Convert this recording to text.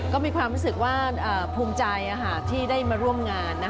ก็มีความรู้สึกว่าภูมิใจที่ได้มาร่วมงาน